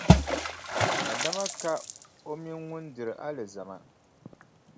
Adama ka o mini ŋun diri alizama.